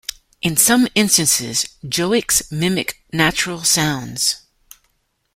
In some instances, joiks mimic natural sounds.